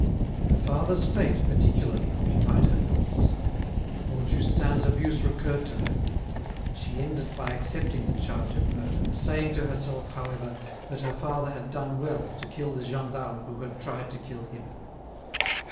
Her father's fate particularly occupied her thoughts. All Justin's abuse recurred to her; and she ended by accepting the charge of murder, saying to herself, however, that her father had done well to kill the gendarme who had tried to kill him.